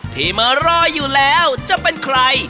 ที่มารออยู่แล้วจะเป็นใคร